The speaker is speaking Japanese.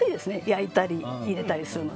焼いたり入れたりするの。